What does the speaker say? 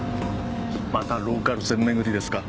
またローカル線めぐりですか？